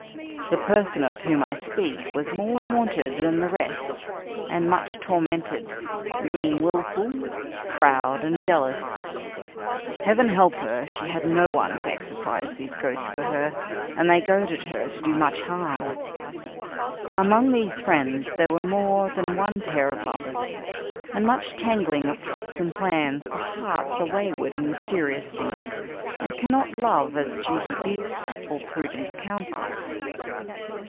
The person of whom I speak was more haunted than the rest, and much tormented, being willful, proud, and jealous. Heaven help her, she had had no one to exorcise these ghosts for her, and they goaded her to do much harm. Among these friends there were more than one pair of lovers, and much tangling of plots and plans, for hearts are wayward and mysterious things, and cannot love as duty bids or prudence counsels.